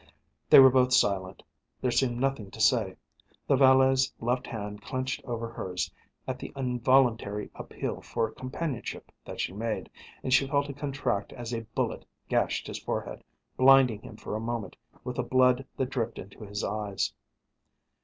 They were both silent, there seemed nothing to say. The valet's left hand clenched over hers at the involuntary appeal for companionship that she made, and she felt it contract as a bullet gashed his forehead, blinding him for a moment with the blood that dripped into his eyes.